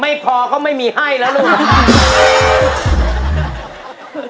ไม่พอก็ไม่มีให้แล้วลูก